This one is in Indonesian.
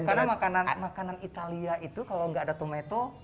karena makanan italia itu kalau nggak ada tumeto